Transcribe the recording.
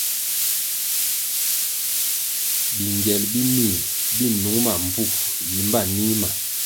Bingyel bi mih bi nung ma mbvu, yimba nih ma.